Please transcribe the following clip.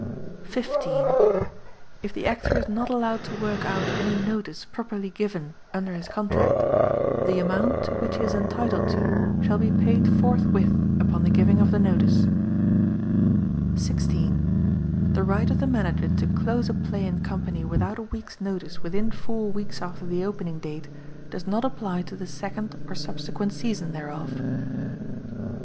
15. If the Actor is not allowed to work out any notice properly given under his contract the amount to which he is entitled to shall be paid forthwith upon the giving of the notice. 16. The right of the Manager to close a play and company without a week's notice within four weeks after the opening date does not apply to the second or subsequent season thereof.